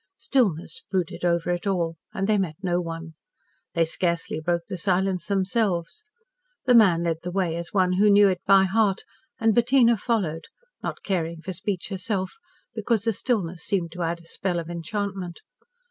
Stillness brooded over it all, and they met no one. They scarcely broke the silence themselves. The man led the way as one who knew it by heart, and Bettina followed, not caring for speech herself, because the stillness seemed to add a spell of enchantment.